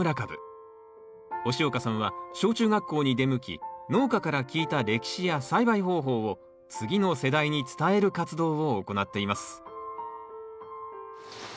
押岡さんは小中学校に出向き農家から聞いた歴史や栽培方法を次の世代に伝える活動を行っています